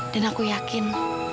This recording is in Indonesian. dan aku yakin